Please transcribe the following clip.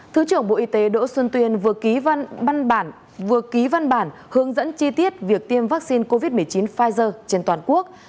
thứ trưởng bộ y tế đỗ xuân tuyên vừa ký văn bản hướng dẫn chi tiết việc tiêm vaccine covid một mươi chín pfizer trên toàn quốc